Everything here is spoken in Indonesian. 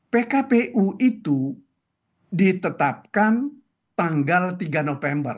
pkpu itu ditetapkan tanggal tiga november